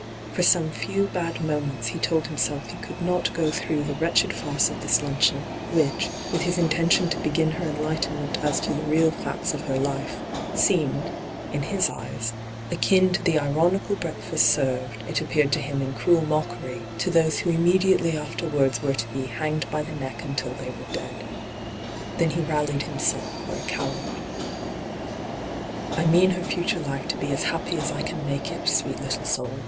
For some few bad moments he told himself he could not go through the wretched farce of this luncheon, which, with his intention to begin her enlightenment as to the real facts of her life, seemed, in his eyes, akin to the ironical breakfast served, it ap 13 D,gt,, 6rtbyGOOglC 194 ENTRAPPED peared to him in cruel mockery, to those who immediately afterwards were to be ' hanged by the neck until they were dead,' Then he rallied himself for a coward. ' I mean her fixture life to be as happy as I can make it, sweet little soul